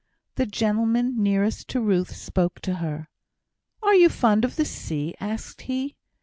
The gentleman nearest to Ruth spoke to her. "Are you fond of the sea?" asked he.